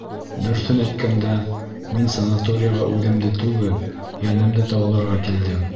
Дөрөҫөн әйткәндә, мин санаторийға үҙемде түгел, йәнемде дауаларға килдем.